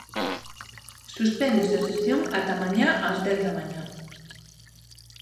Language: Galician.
Suspéndese a sesión ata mañá ás dez da mañá.